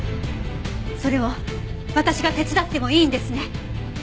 それを私が手伝ってもいいんですね？